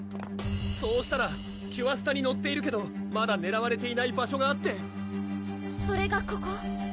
そうしたらキュアスタにのっているけどまだねらわれていない場所があってそれがここ？